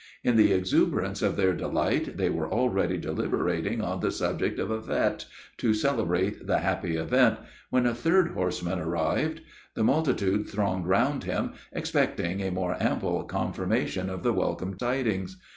In the exuberance of their delight they were already deliberating on the subject of a fete, to celebrate the happy event, when a third horsemen arrived. The multitude thronged round him, expecting a more ample confirmation of the welcome tidings.